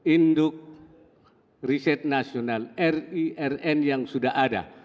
induk riset nasional rirn yang sudah ada